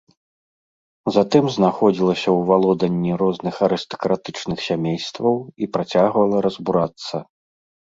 Затым знаходзілася ў валоданні розных арыстакратычных сямействаў і працягвала разбурацца.